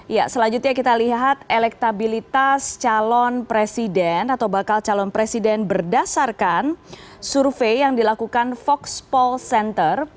ya selanjutnya kita lihat elektabilitas calon presiden atau bakal calon presiden berdasarkan survei yang dilakukan foxpol center